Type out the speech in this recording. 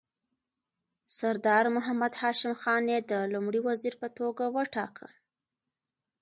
سردار محمد هاشم خان یې د لومړي وزیر په توګه وټاکه.